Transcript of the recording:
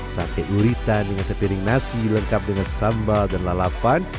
sate uritan dengan sepiring nasi lengkap dengan sambal dan lalapan